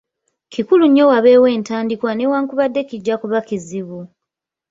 Kikulu nnyo wabeewo entandikwa newankubadde kijja kuba kizibu.